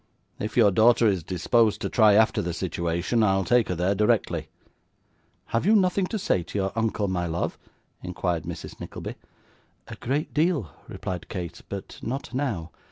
If your daughter is disposed to try after the situation, I'll take her there directly.' 'Have you nothing to say to your uncle, my love?' inquired Mrs. Nickleby. 'A great deal,' replied Kate; 'but not now.